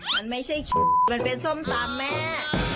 มันไม่ใช่มันเป็นส้มตำแม่